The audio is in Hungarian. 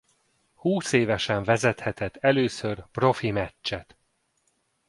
Húszévesen vezethetett először profi-meccset.